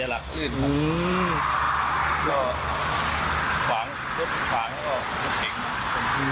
หรือว่าใจคอยดีใช่ไหมครับ